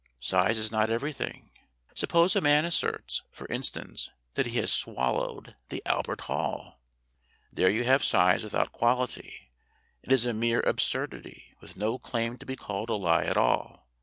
Size is not everything. Suppose a man asserts, for instance, that he has swallowed the Albert Hall. There you have size without quality. It is a mere ab surdity, with no claim to be called a lie at all.